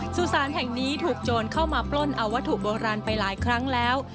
สุสานแห่งนี้ถูกโจรเข้ามาปล้นเอาวัตถุโบราณไปหลายครั้งแล้ว